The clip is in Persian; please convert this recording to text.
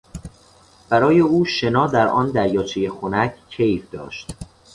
برای او شنا در آن دریاچهی خنک کیف داشت.